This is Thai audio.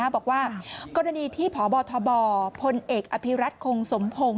บอกว่ากรณีที่พบทบพลเอกอภิรัตคงสมพงศ์